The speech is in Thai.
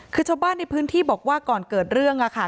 คือชาวบ้านในพื้นที่บอกว่าก่อนเกิดเรื่อง